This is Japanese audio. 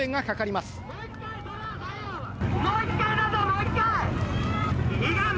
もう一回だぞ、もう一回。